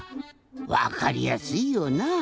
わかりやすいよなぁ。